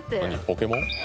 ポケモン？